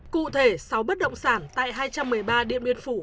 cụ thể sáu bất động sản tại hai trăm một mươi ba điện biên phủ